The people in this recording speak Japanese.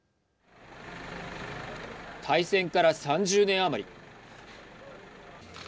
対戦から３０年余り。